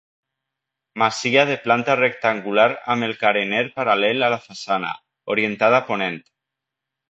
Masia de planta rectangular amb el carener paral·lel a la façana, orientada a ponent.